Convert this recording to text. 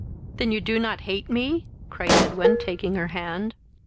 "Then you do not hate me? (cried Edwin, taking her hand.)